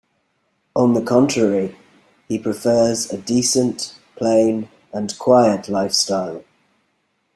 On the contrary, he prefers a decent, plain and quiet lifestyle.